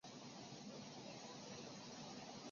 白彦陶力木湖在蒙古语中的意思是富饶的盆地。